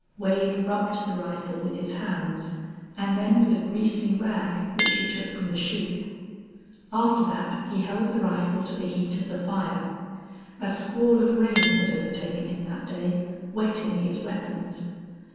Wade rubbed the rifle with his hands, and then with a greasy rag which he took from the sheath. After that he held the rifle to the heat of the fire. A squall of rain had overtaken him that day, wetting his weapons.